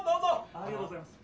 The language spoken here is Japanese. ありがとうございます。